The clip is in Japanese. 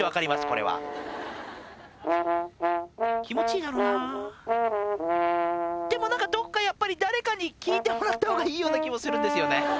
これは気持ちいいだろうなでも何かどっかやっぱり誰かに聴いてもらった方がいいような気もするんですよね